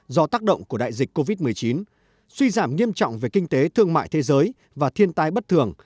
do tác động của đại dịch covid một mươi chín suy giảm nghiêm trọng về kinh tế thương mại thế giới và thiên tai bất thường